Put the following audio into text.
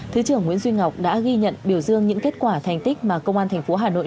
thứ trưởng nguyễn duy ngọc đã ghi nhận biểu dương những kết quả thành tích mà công an tp hà nội